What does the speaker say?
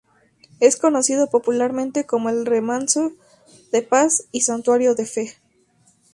Es conocido popularmente como el remanso de paz y santuario de fe.